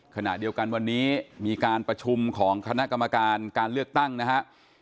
ขณะเดียวกันวันนี้มีการประชุมของคณะกรรมการการเลือกตั้งนะฮะ